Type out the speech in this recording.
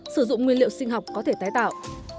sử dụng nguyên liệu sinh học có thể tái tạo